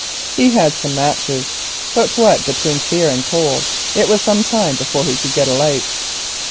He had some matches, but what between fear and cold it was some time before he could get a light.